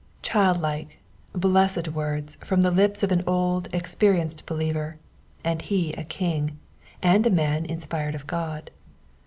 ^^ Child like, blessed words, from the lips of an old, experienced believer, and he a king, and a man inspired of God.